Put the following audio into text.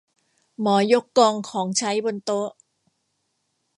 หมอยกกองของใช้บนโต๊ะ